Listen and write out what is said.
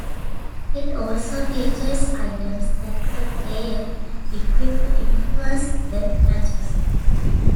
It also features items that a player can equip to influence the matches.